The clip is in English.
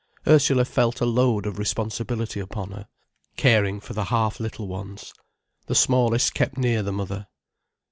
Ursula felt a load of responsibility upon her, caring for the half little ones. The smallest kept near the mother.